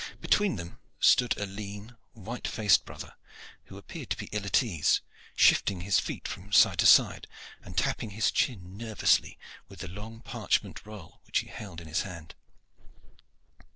Between them stood a lean, white faced brother who appeared to be ill at ease, shifting his feet from side to side and tapping his chin nervously with the long parchment roll which he held in his hand.